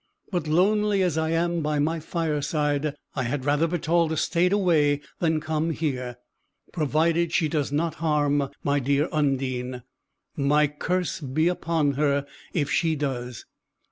But, lonely as I am by my fireside, I had rather Bertalda stayed away than come here. Provided she does not harm my dear Undine! My curse be upon her if she does."